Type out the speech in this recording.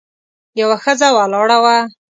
یوه ښځه ولاړه وه.